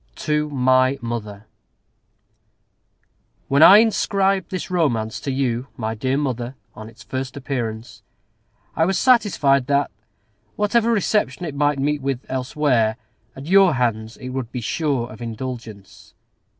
TO MY MOTHER When I inscribed this Romance to you, my dear Mother, on its first appearance, I was satisfied that, whatever reception it might meet with elsewhere, at your hands it would be sure of indulgence.